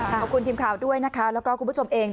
ขอบคุณทีมข่าวด้วยนะคะแล้วก็คุณผู้ชมเอง